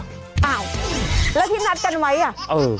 อ้าวแล้วที่นัดกันไว้อ่ะเออ